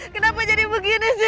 kenapa jadi begini sih